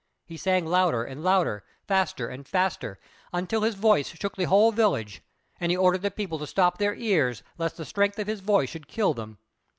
He sang louder and louder, faster and faster, until his voice shook the whole village; and he ordered the people to stop their ears lest the strength of his voice should kill them.